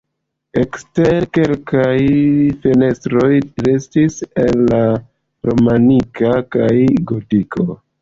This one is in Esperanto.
Ekstere kelkaj fenestroj restis el la romaniko kaj gotiko.